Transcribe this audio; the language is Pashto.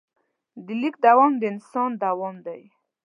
د لیک دوام د انسان دوام دی.